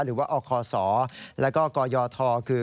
หรือว่าอศและกยธคือ